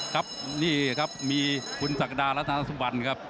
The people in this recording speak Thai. ครับนี่ครับมีคุณศักดารัฐนาสุบันครับ